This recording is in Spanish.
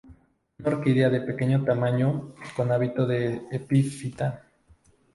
Es una orquídea de pequeño tamaño, con hábito de epífita.